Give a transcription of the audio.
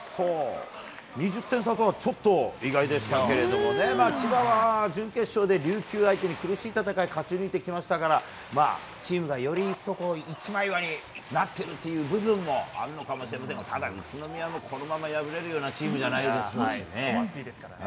２０点差とはちょっと意外でしたけれども千葉は準決勝で琉球相手に苦しい戦いを勝ち抜いてきましたからチームがより一層一枚岩になっている部分もあるのかもしれませんがただ、宇都宮もこのまま敗れるようなチームじゃないですからね。